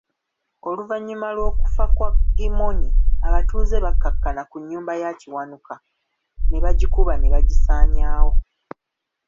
Oluvanyuma lw'okufa kwa Gimmony, abatuuze bakkakkana ku nnyumba ya Kiwanuka nabagikuba nebagisanyaawo.